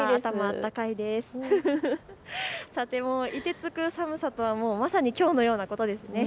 いてつく寒さとは、まさにきょうのようなことですね。